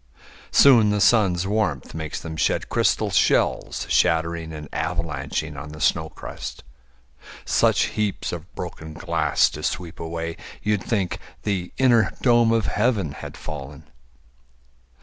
Soon the sun's warmth makes them shed crystal shells Shattering and avalanching on the snow crust Such heaps of broken glass to sweep away You'd think the inner dome of heaven had fallen.